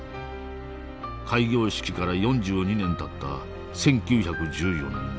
開業式から４２年たった１９１４年１２月。